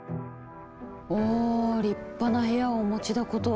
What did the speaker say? お立派な部屋をお持ちだこと。